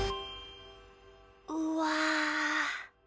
うわ！